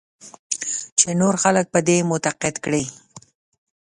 چې نور خلک په دې متقاعد کړې.